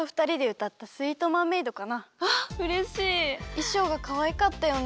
いしょうがかわいかったよね。